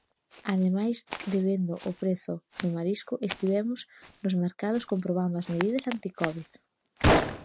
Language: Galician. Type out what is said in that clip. Ademais de vendo o prezo do marisco estivemos nos mercados comprobando as medidas anticovid.